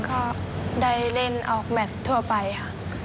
ก็ได้เล่นออกแมททั่วไปค่ะ